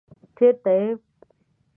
چېرته يې؟